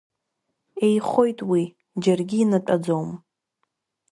Еихоит уи, џьаргьы инатәаӡом.